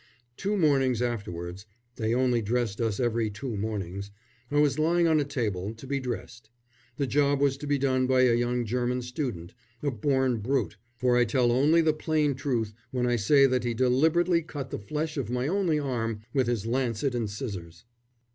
Two mornings afterwards they only dressed us every two mornings I was lying on a table, to be dressed. The job was to be done by a young German student, a born brute, for I tell only the plain truth when I say that he deliberately cut the flesh of my only arm with his lancet and scissors.